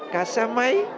cả xe máy